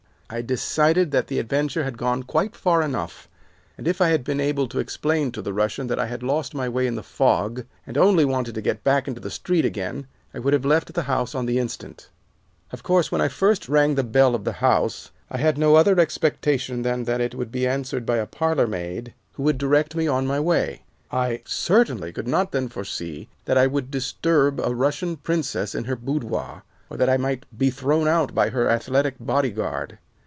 I decided that the adventure had gone quite far enough, and if I had been able to explain to the Russian that I had lost my way in the fog, and only wanted to get back into the street again, I would have left the house on the instant. "Of course, when I first rang the bell of the house I had no other expectation than that it would be answered by a parlor maid who would direct me on my way. I certainly could not then foresee that I would disturb a Russian princess in her boudoir, or that I might be thrown out by her athletic bodyguard.